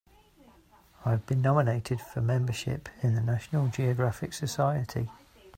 I've been nominated for membership in the National Geographic Society.